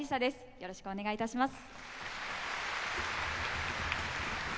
よろしくお願いします。